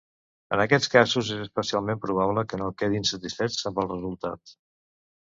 En aquests casos és especialment probable que no quedin satisfets amb el resultat.